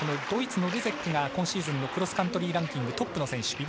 ドイツのルゼックが今シーズンのクロスカントリーランキングトップの選手。